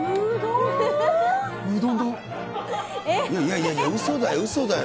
いやいやいや、うそだよ、うそだよ。